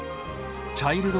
チャイルド・デス・